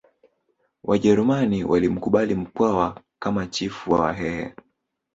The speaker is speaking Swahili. Wajerumani walimkubali Mkwawa kama chifu wa Wahehe